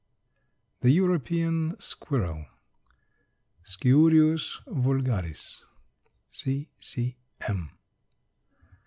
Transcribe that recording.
] THE EUROPEAN SQUIRREL. (Sciurus vulgaris.) C. C. M.